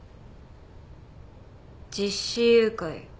実子誘拐。